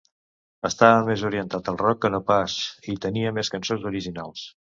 Estava més orientat al rock que no pas i, i tenia més cançons originals.